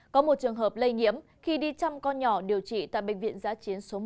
có một trường hợp lây nhiễm khi đi chăm con nhỏ điều trị tại bệnh viện giá chiến số một